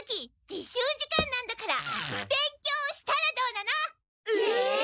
自習時間なんだから勉強したらどうなの？え！？